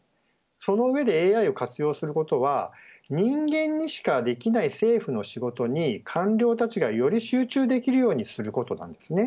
その上でＡＩを活用することは人間にしかできない政府の仕事に官僚たちがより集中できるようにすることなんですね。